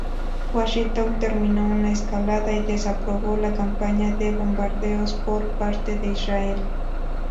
Washington temió una escalada y desaprobó la campaña de bombardeos por parte de Israel.